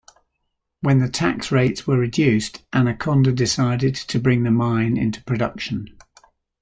When the tax rates were reduced Anaconda decided to bring the mine into production.